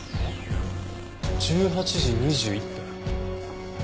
１８時２１分。